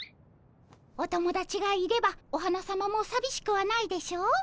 おともだちがいればお花さまもさびしくはないでしょう？